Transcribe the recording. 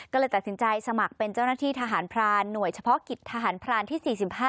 ก็เลยตัดสินใจสมัครเป็นเจ้าหน้าที่ทหารพรานหน่วยเฉพาะกิจทหารพรานที่๔๕